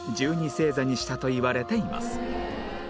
星座にしたといわれています